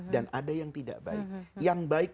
dan ada yang tidak baik yang baik